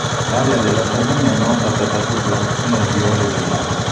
L'area della Sabina è nota per la sua produzione di olio d'oliva